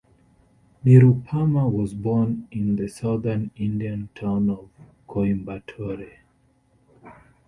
Nirupama was born in the Southern Indian town of Coimbatore.